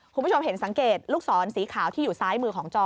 คุณผู้ชมเห็นสังเกตลูกศรสีขาวที่อยู่ซ้ายมือของจอ